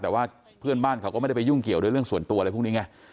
แต่ว่าเพื่อนบ้านเขาก็ไม่ได้ไปยุ่งเกี่ยวด้วยเรื่องส่วนตัวอะไรพวกนี้ไง